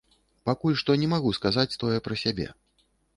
Пакуль што не магу сказаць тое пра сябе.